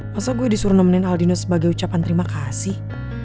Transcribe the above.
masa gue disuruh nemenin aldino sebagai ucapan terima kasih